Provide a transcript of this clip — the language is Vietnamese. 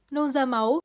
nôn da máu